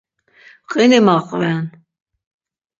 Qini maqven.